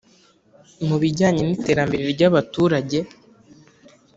mu bijyanye n iterambere rya baturage